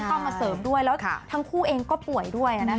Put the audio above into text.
มีรายได้ที่เข้ามาเสิร์ฟด้วยและทั้งคู่เองก็ป่วยด้วย